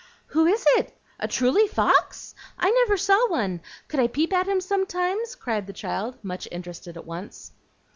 "Who is it? A truly fox? I never saw one. Could I peep at him sometimes?" cried the child, much interested at once.